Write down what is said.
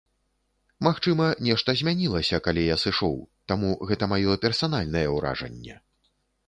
Магчыма, нешта змянілася, калі я сышоў, таму гэта маё персанальнае ўражанне.